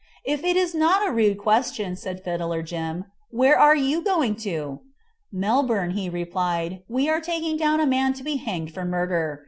"If it is not a rude question," said Fiddler Jim, "where are you going to?" "Melbourne," he replied; "we are taking down a man to be hanged for murder.